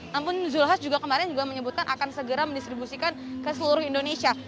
namun zululah juga kemarin menyebutkan akan segera mendistribusikan ke seluruh indonesia